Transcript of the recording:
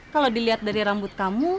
kalau dilihat dari rambut kamu